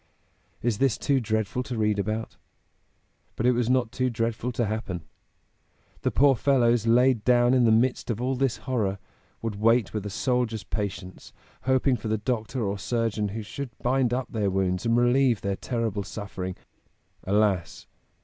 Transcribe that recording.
Is this too dreadful to read about? But it was not too dreadful to happen. The poor fellows, laid down in the midst of all this horror, would wait with a soldier's patience, hoping for the doctor or surgeon who should bind up their wounds and relieve their terrible suffering. Alas!